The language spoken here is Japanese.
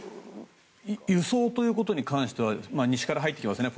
輸送ということに関しては西から入ってきますよね。